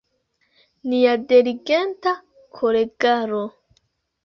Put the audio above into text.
Nia diligenta kolegaro.